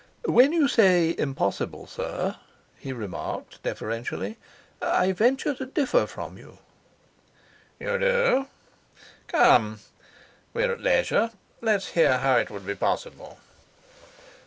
"When you say impossible, sir," he remarked deferentially, "I venture to differ from you." "You do? Come, we're at leisure. Let's hear how it would be possible."